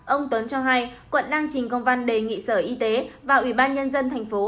ông tuấn cho hay quận đang trình công văn đề nghị sở y tế và ủy ban nhân dân thành phố